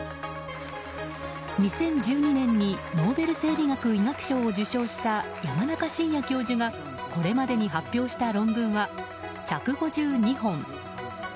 ２０１２年にノーベル生理学・医学賞を受賞した山中伸弥教授がこれまでに発表した論文は１５２本。